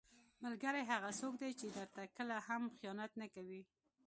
ملګری هغه څوک دی چې درته کله هم خیانت نه کوي.